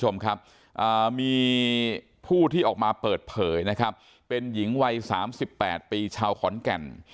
มีผู้ที่ออกมาเปิดเผยเป็นหญิงวัย๓๘ปีชาวขอนแก่น